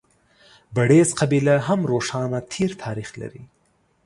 بړېڅ قبیله هم روښانه تېر تاریخ لري.